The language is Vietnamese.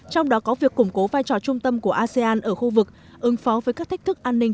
trong đó có việc củng cố vai trò trung tâm của asean ở khu vực ứng phó với các thách thức an ninh